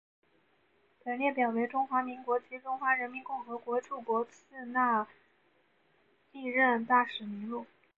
本列表为中华民国及中华人民共和国驻博茨瓦纳历任大使名录。